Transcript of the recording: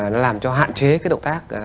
nó làm cho hạn chế động tác